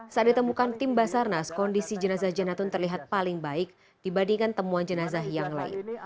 saat ditemukan tim basarnas kondisi jenazah janatun terlihat paling baik dibandingkan temuan jenazah yang lain